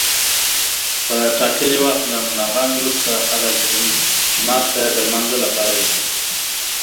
په ټاکلي وخت له ملابانګ روسته خلک جومات ته د لمانځه لپاره ورځي.